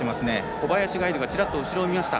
小林がちらっと後ろを見ました。